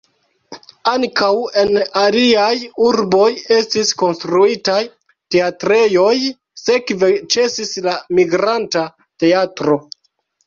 Ankaŭ en aliaj urboj estis konstruitaj teatrejoj, sekve ĉesis la migranta teatro.